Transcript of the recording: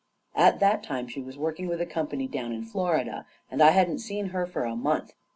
At that time, she was working with a company down in Florida,' and I hadn't seen her for a month.